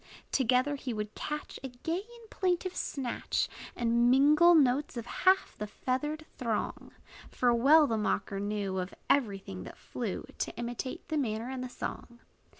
Together he would catch A gay and plaintive snatch, And mingle notes of half the feathered throng. For well the mocker knew, Of every thing that flew, To imitate the manner and the song.